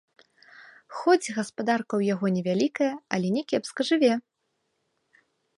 Хоць гаспадарка ў яго невялікая, але не кепска жыве.